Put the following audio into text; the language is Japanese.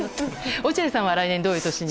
落合さんは来年どういう年に？